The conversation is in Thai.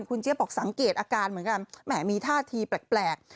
คุณเจี๊ยบบอกสังเกตอาการเหมือนกันแหมมีท่าทีแปลก